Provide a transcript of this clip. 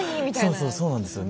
そうそうそうなんですよね。